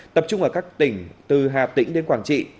tập trung ở các tỉnh từ hà tĩnh đến quảng trị